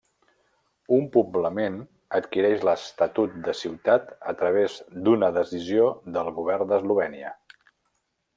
Un poblament adquireix l'estatut de ciutat a través d'una decisió del Govern d'Eslovènia.